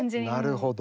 なるほど。